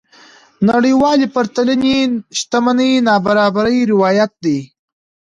نړيوالې پرتلنې شتمنۍ نابرابرۍ روايت دي.